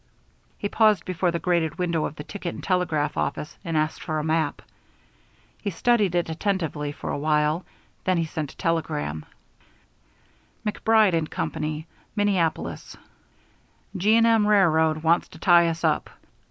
He paused before the grated window of the ticket and telegraph office and asked for a map. He studied it attentively for a while; then he sent a telegram: MACBRIDE & COMPANY, Minneapolis: G. & M. R. R. wants to tie us up.